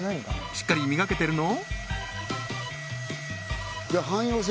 しっかり磨けてるの？